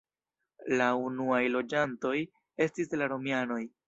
La unuaj loĝantoj estis la romianoj.